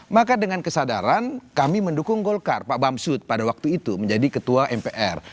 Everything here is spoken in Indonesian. maka dengan kesadaran kami mendukung golkar pak bamsud pada waktu itu menjadi ketua mpr